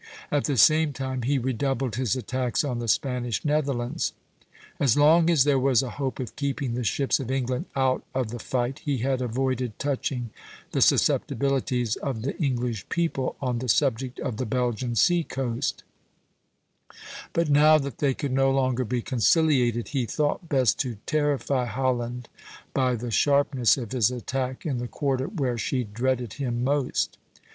At the same time he redoubled his attacks on the Spanish Netherlands. As long as there was a hope of keeping the ships of England out of the fight, he had avoided touching the susceptibilities of the English people on the subject of the Belgian sea coast; but now that they could no longer be conciliated, he thought best to terrify Holland by the sharpness of his attack in the quarter where she dreaded him most.